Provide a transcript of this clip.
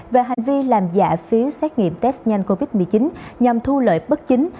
về hành vi làm giả phiếu xét nghiệm test nhanh covid một mươi chín nhằm thu lợi bất chính